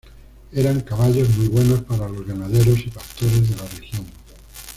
Eran caballos muy buenos para los ganaderos y pastores de la región.